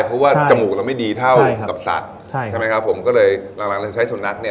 เพราะว่าจมูกเราไม่ดีเท่ากับสัตว์ใช่ใช่ไหมครับผมก็เลยหลังเราจะใช้สุนัขเนี่ย